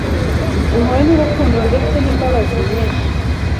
impuhwe n'urukundo ndetse n'imbabazi nyinshi,